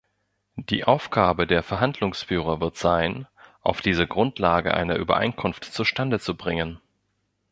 Die Aufgabe der Verhandlungsführer wird sein, auf dieser Grundlage eine Übereinkunft zustande zu bringen.